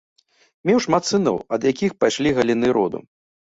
Меў шмат сыноў, ад якіх пайшлі галіны роду.